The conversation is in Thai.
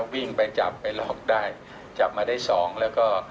วิ่งไปจับไปล็อกได้จับมาได้สองแล้วก็